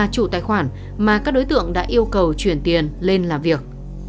các đối tượng đã yêu cầu chuyển tiền lên làm việc